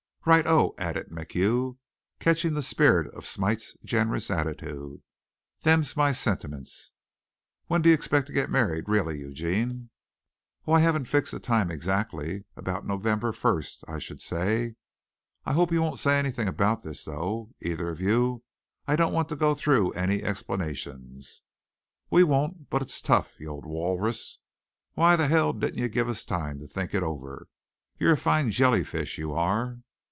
"Right oh," added MacHugh, catching the spirit of Smite's generous attitude. "Them's my sentiments. When d'you expect to get married really, Eugene?" "Oh I haven't fixed the time exactly. About November first, I should say. I hope you won't say anything about it though, either of you. I don't want to go through any explanations." "We won't, but it's tough, you old walrus. Why the hell didn't you give us time to think it over? You're a fine jellyfish, you are."